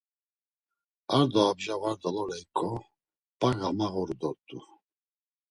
Ar do abja var dololeyǩo p̌a gamağuru dort̆u.